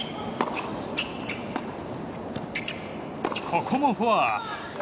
ここもフォア！